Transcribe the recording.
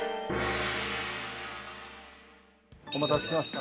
お待たせしました。